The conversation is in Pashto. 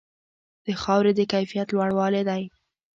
د خاورې د کیفیت لوړوالې دی.